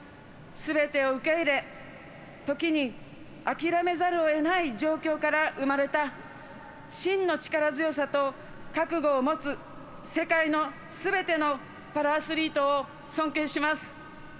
すべてを受け入れときに諦めざるをえない状況から生まれた真の力強さと覚悟を持つ世界のすべてのパラアスリートを尊敬します。